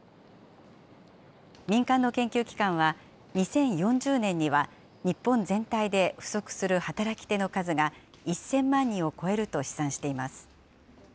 民間の研究機関は、２０４０年には日本全体で不足する働き手の数が１０００万人を超えると試算しています。